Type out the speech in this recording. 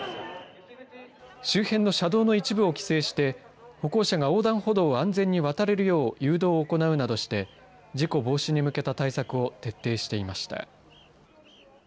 周辺の車道の一部を規制して、歩行者が横断歩道を安全に渡れるよう誘導を行うなどして、事故防止に向けた対策を徹底していました。